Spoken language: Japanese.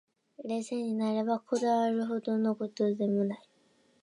冷静になれば、こだわるほどの事でもない